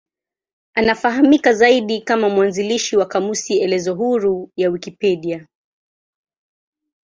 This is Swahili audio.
Anafahamika zaidi kama mwanzilishi wa kamusi elezo huru ya Wikipedia.